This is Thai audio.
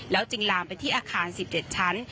จึงลามไปที่อาคาร๑๗ชั้น